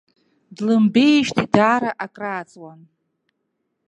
Длымбеижьҭеи даара акрааҵуан.